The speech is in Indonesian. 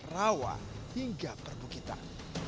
rawa hingga perbukitan